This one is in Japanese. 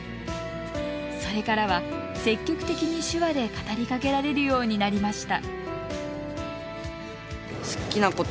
それからは、積極的に手話で語りかけられるようになりました。